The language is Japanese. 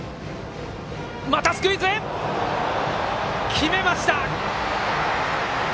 決めました！